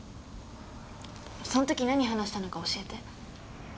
その時何話したのか教えて。